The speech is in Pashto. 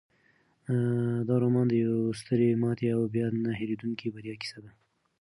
دا رومان د یوې سترې ماتې او بیا نه هیریدونکې بریا کیسه ده.